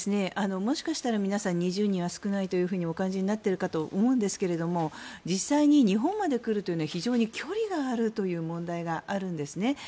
もしかしたら皆さん、２０人は少ないとお感じになっているかと思うんですが実際に日本まで来るというのは非常に距離があるという問題があるんです。